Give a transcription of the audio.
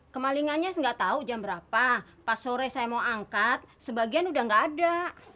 kemalingannya gak tau jam berapa pas sore saya mau angkat sebagian udah gak ada